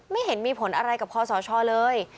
ไม่เห็นมีผลอะไรกับคอสชเลย